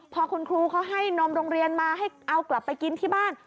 พอคุณครูเขาให้นมโรงเรียนมาให้เอากลับไปกินที่บ้าน